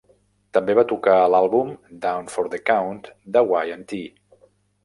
També va tocar a l'àlbum "Down for the Count" de Y and T.